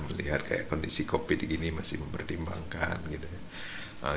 melihat kayak kondisi covid ini masih mempertimbangkan gitu ya